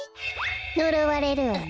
のろわれるわよ。